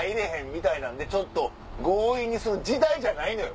みたいなんで強引にする時代じゃないのよ